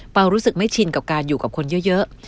รู้สึกไม่ชินกับการอยู่กับคนเยอะ